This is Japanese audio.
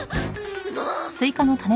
もう！